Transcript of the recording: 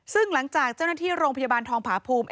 ซึ่งหลังจากเจ้าหน้าที่โรงพยาบาลทองผาภูมิ